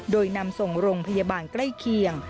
โดยนำส่งโรงพยาบาลใกล้เคียง